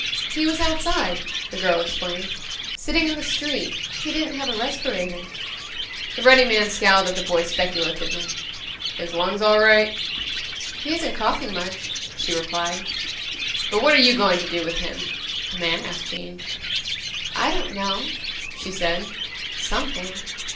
"He was outside," the girl explained, "sitting in the street. He didn't have a respirator." The ruddy man scowled at the boy speculatively. "His lungs all right?" "He isn't coughing much," she replied. "But what are you going to do with him?" the man asked Jane. "I don't know," she said. "Something.